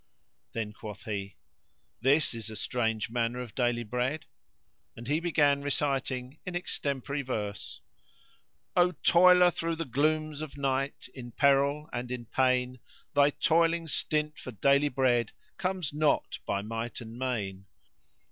Then quoth he, "This is a strange manner of daily bread;" and he began re citing in extempore verse:— O toiler through the glooms of night in peril and in pain * Thy toiling stint for daily bread comes not by might and main!